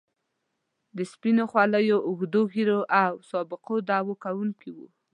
د سپینو خولیو، اوږدو ږیرو او سوابقو دعوه کوونکي وو.